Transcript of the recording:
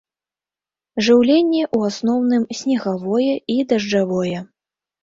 Жыўленне ў асноўным снегавое і дажджавое.